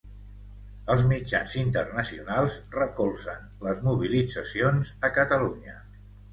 Els mitjans internacionals recolzen les mobilitzacions a Catalunya